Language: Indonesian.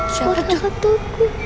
suara apa tuh